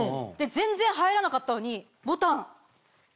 全然入らなかったのに。